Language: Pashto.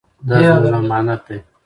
دا زموږ امانت دی.